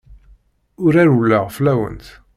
Ur rewwleɣ fell-awent.